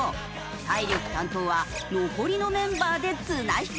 体力担当は残りのメンバーで綱引き。